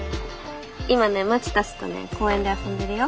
今ねまちたちとね公園で遊んでるよ。